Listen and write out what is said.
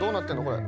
これ。